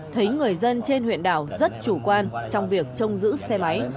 thấy người dân trên huyện đảo rất chủ quan trong việc trông giữ xe máy